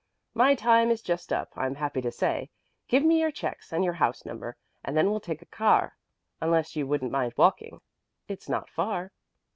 My time is just up, I'm happy to say. Give me your checks and your house number, and then we'll take a car, unless you wouldn't mind walking. It's not far."